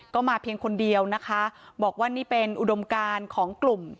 ก็มาเพียงคนเดียวนะคะบอกว่านี่เป็นอุดมการของกลุ่ม